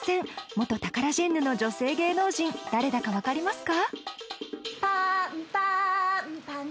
元タカラジェンヌの女性芸能人誰だか分かりますか？